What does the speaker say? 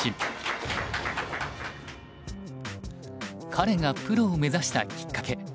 彼がプロを目指したきっかけ